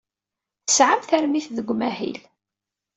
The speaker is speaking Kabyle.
Tesɛam tarmit deg umahil.